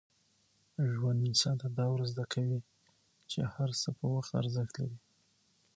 ژوند انسان ته دا ور زده کوي چي هر څه په وخت ارزښت لري.